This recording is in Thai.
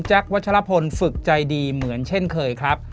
วัชลพลฝึกใจดีเหมือนเช่นเคยครับ